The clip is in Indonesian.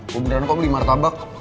gue beneran kok beli martabak